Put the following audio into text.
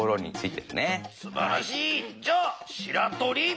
じゃあしらとり。